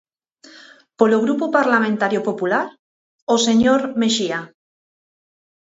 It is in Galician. Polo Grupo Parlamentario Popular, o señor Mexía.